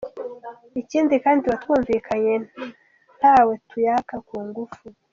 Ikindi kandi tuba twumvikanye ntawe tuyaka ku ngufu.